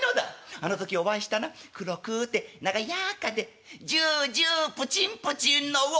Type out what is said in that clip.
あの時お会いしたな黒くて長やかでジュージュープチンプチンの魚」。